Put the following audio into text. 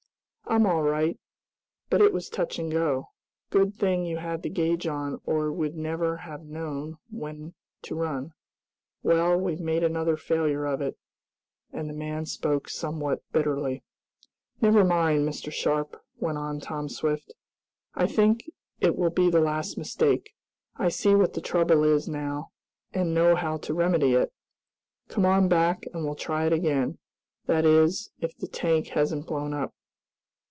"I'm all right. But it was touch and go! Good thing you had the gauge on or we'd never have known when to run. Well, we've made another failure of it," and the man spoke somewhat bitterly. "Never mind, Mr. Sharp," went on Tom Swift. "I think it will be the last mistake. I see what the trouble is now; and know how to remedy it. Come on back, and we'll try it again; that is if the tank hasn't blown up."